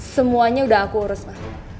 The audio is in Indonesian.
semuanya udah aku urus pak